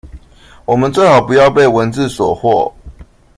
我們最好不要被文字所惑